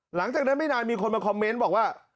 หลังจากนั้นไม่นานมีคนมาคอมเมนต์บอกว่า